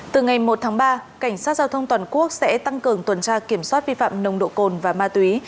từ ngày một tháng ba cảnh sát giao thông toàn quốc sẽ tăng cường tuần tra kiểm soát vi phạm nồng độ cồn và ma túy